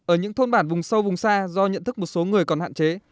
ở những thôn bản vùng sâu vùng xa do nhận thức một số người còn hạn chế